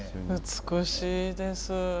美しいです。